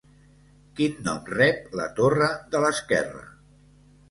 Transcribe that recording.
Quin nom rep la torre de l'esquerra?